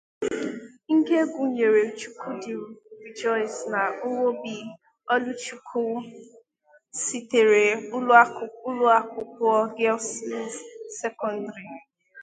nke gụnyere Chukwudi Rejoice na Nwobi Oluchukwu sitere ụlọakwụkwọ 'Girls Secondary